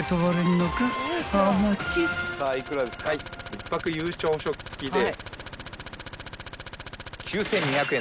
１泊夕朝食付きで。